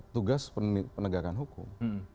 tugas penegakan hukum